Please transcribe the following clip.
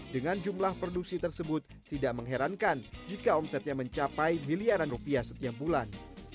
dengan jumlah produksi tersebut tidak mengherankan jika omsetnya mencapai miliaran rupiah setiap bulan